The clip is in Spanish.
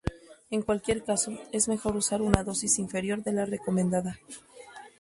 En cualquier caso, es mejor usar una dosis inferior de la recomendada.